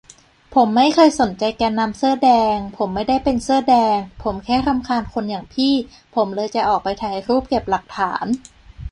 ผมไม่เคยสนใจแกนนำเสื้อแดง ผมไม่ได้เป็นเสื้อแดง ผมแค่รำคาญคนอย่างพี่ ผมเลยจะออกไปถ่ายรูป เก็บหลักฐาน